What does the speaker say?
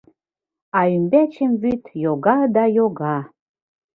А ӱмбачем вӱд йога да йога...